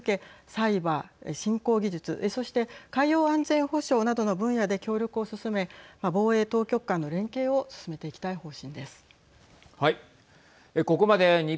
サイバー、新興技術そして海洋安全保障などの分野で協力を進め、防衛当局間の連携を進めていきたい方針です。